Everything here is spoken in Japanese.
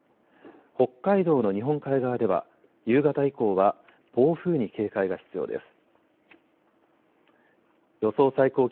北海道の日本海側では夕方以降は暴風に警戒が必要です。